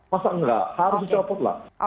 masa enggak harus dicopot lah